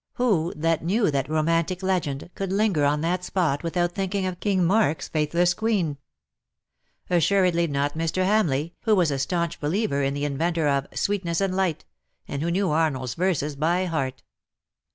Who, that knew that romantic legend^ could linger on that spot without thinking of King Marcos faith less queen ! Assuredly not Mr. Hamleigh, who was a staunch believer in the inventor of '^ sweet ness and light/'' and who knew Arnold^s verses by heart.